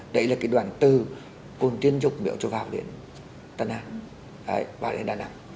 đấy là đoạn từ quân tiên dục miễu cho vào đến đà nẵng